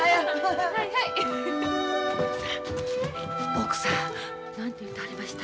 奥さん何と言うてはりました？